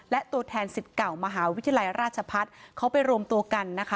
และตัวแทนสิทธิ์เก่ามหาวิทยาลัยราชพัฒน์เขาไปรวมตัวกันนะคะ